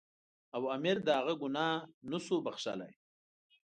او امیر د هغه ګناه نه شو بخښلای.